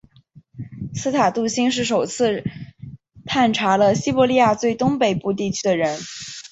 斯塔杜欣是首次探查了西伯利亚最东北部地区的人。